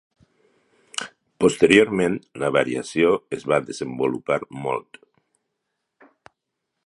Posteriorment, la variació es va desenvolupar molt.